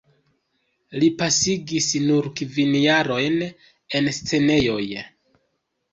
Li pasigis nur kvin jarojn en scenejoj.